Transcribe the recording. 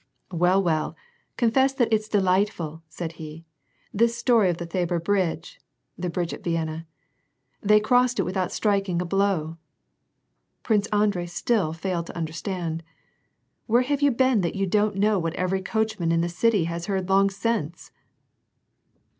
"Well, well, confess that it's delightful," said he, "this story of the Thabor bridge [the bridge at Vienna], They crossed it without striking a blow." t Prince Andrei still failed to understand. " Where have you been that you don't know what every coachman in the city has heard long since." * Ach